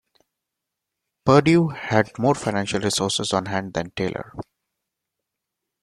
Perdue had more financial resources on hand than Taylor.